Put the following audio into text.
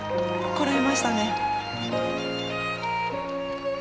こらえましたね。